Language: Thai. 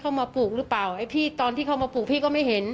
มาปลูกหรือเปล่าไอ้พี่ตอนที่เขามาปลูกพี่ก็ไม่เห็น